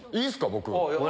僕。